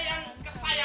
panggil aja si jawa ya